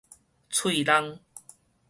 喙櫳